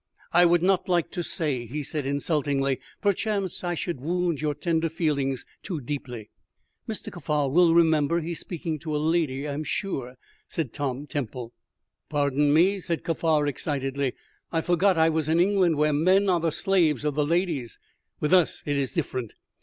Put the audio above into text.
"I would not like to say," he said insultingly; "perchance I should wound your tender feelings too deeply." "Mr. Kaffar will remember he's speaking to a lady, I'm sure," said Tom Temple. "Pardon me," said Kaffar, excitedly; "I forgot I was in England, where men are the slaves of the ladies. With us it is different.